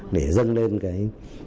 để dâng lên cái